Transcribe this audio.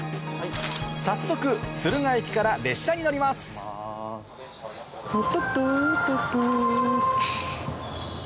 早速敦賀駅から列車に乗ります今。